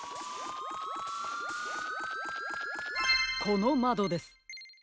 このまどです。